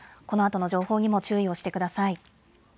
このあとの情報にも注意をしてください。